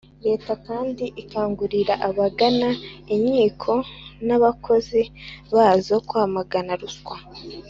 Leta kandi ikangurira abagana inkiko n'abakozi bazo kwamagana ruswa